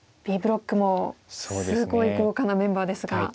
Ｂブロックもすごい豪華なメンバーですが。